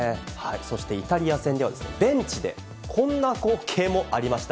そしてイタリア戦では、ベンチでこんな光景もありました。